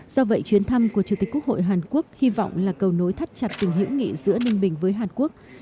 do vậy chuyến thăm của chủ tịch quốc hội hàn quốc hy vọng là cầu nối thắt chặt tình hữu nghị giữa ninh bình với hàn quốc